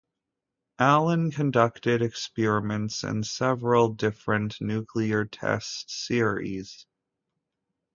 Allen conducted experiments in several different nuclear test series.